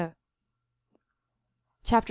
G.R.L. Chapter 2.